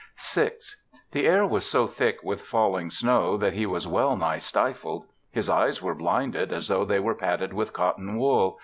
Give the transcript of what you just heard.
VI The air was so thick with falling snow that he was well nigh stifled. His eyes were blinded as though they were padded with cottonwool.